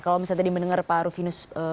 kalau misalnya tadi mendengar pak rufinus